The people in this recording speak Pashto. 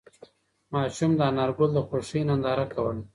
ماشوم د انارګل د خوښۍ ننداره کوله.